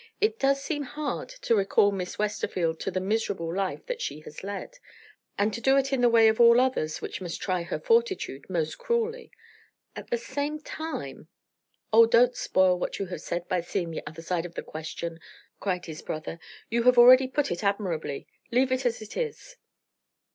"It does seem hard to recall Miss Westerfield to the miserable life that she has led, and to do it in the way of all others which must try her fortitude most cruelly. At the same time " "Oh, don't spoil what you have said by seeing the other side of the question!" cried his brother "You have already put it admirably; leave it as it is."